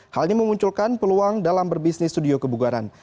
hal ini memunculkan peluang dalam berbisnis studio kebugaran